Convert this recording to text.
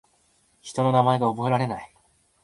人の名前が覚えられない